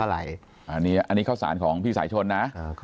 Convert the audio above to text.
อันนี้ข้าวสารของพี่สายชนนะ